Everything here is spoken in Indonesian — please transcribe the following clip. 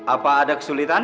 apa ada kesulitan